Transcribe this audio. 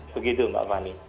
begitu mbak mani